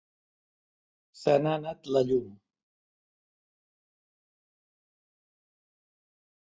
Se n'ha anat la llum.